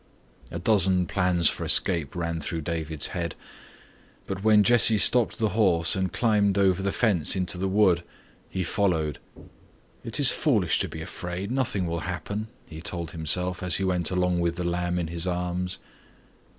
A dozen plans for escape ran through David's head, but when Jesse stopped the horse and climbed over the fence into the wood, he followed. "It is foolish to be afraid. Nothing will happen," he told himself as he went along with the lamb in his arms.